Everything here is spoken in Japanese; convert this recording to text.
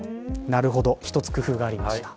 なるほど一つ工夫がありました。